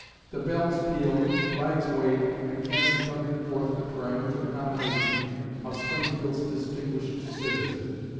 The bells pealed, flags waved, and cannon thundered forth the triumphant nomination of Springfield's distinguished citizen.